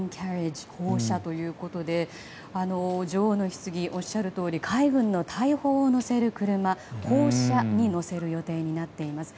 女王のひつぎおっしゃるとおり海軍の大砲を載せる車砲車に乗せる予定になっています。